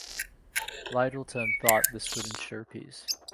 Lyttleton thought this would ensure peace.